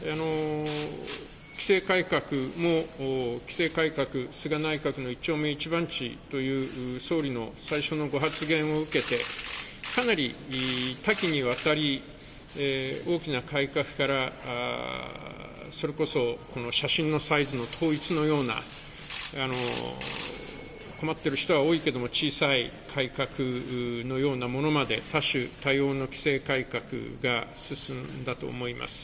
規制改革も、規制改革、菅内閣の一丁目一番地という総理の最初のご発言を受けて、かなり多岐にわたり、大きな改革から、それこそこの写真のサイズの統一のような、困っている人は多いけれども、小さい改革のようなものまで、多種多様の規制改革が進んだと思います。